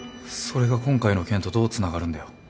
それが今回の件とどうつながるんだよ？